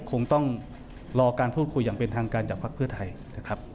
คงต้องรอการพูดคุยอย่างเป็นทางการจากภักดิ์เพื่อไทยนะครับ